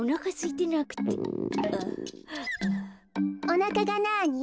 おなかがなに？